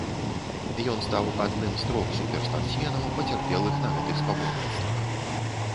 Ён стаў адным з трох суперспартсменаў, пацярпелых на гэтых спаборніцтвах.